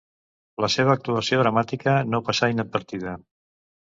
La seva actuació dramàtica no passà inadvertida.